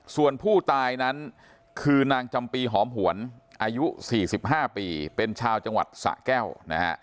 ส่วนผู้ตายนั้นคือนางจำปีหอมหวนอายุ๔๕ปีเป็นชาวจังหวัดสะแก้วนะฮะ